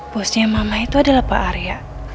bosnya mama itu adalah pak arya